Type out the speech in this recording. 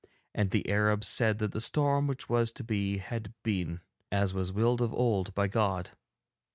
And the Arabs said that the storm which was to be had been, as was willed of old by God.